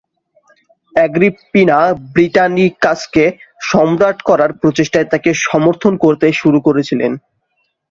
Agrippina ব্রিটানিকাসকে সম্রাট করার প্রচেষ্টায় তাকে সমর্থন করতে শুরু করেছিলেন।